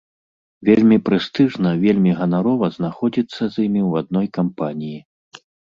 Вельмі прэстыжна, вельмі ганарова знаходзіцца з імі ў адной кампаніі.